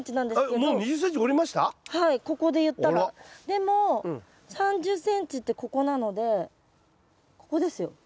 でも３０ｃｍってここなのでここですよ。